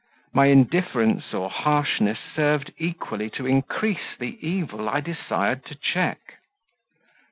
My indifference or harshness served equally to increase the evil I desired to check.